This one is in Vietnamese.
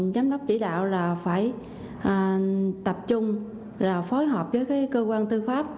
giám đốc chỉ đạo là phải tập trung là phối hợp với cơ quan tư pháp